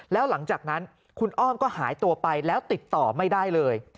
แล้วหลังจากนั้นคุณอ้อมก็หายตัวไปแล้วติดต่อไม่ได้เลย